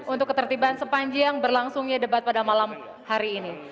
untuk ketertiban sepanjang berlangsungnya debat pada malam hari ini